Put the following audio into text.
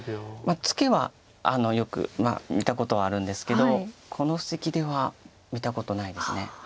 ツケはよく見たことはあるんですけどこの布石では見たことないです。